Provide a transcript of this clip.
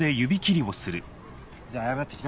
じゃあ謝って来な。